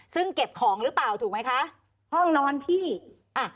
ซึ่งเก็บของหรือเปล่าถูกไหมคะห้องนอนพี่อ่ะ